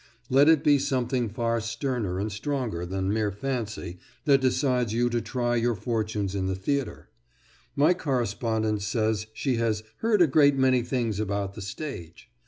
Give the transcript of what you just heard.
Let it be something far sterner and stronger than mere fancy that decides you to try your fortunes in the theatre. My correspondent says she has "heard a great many things about the stage."